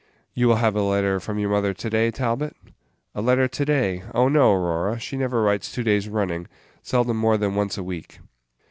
"You will have a letter from your mother to day, Talbot?" "A letter to day! oh, no, Aurora, she never writes two days running; seldom more than once a week."